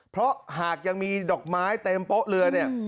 เพราะหากยังมีดอกไม้เต็มโป๊ะเรือเนี่ย